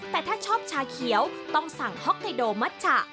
แต่ถ้าชอบชาเขียวต้องสั่งฮอกไกโดมัชชะ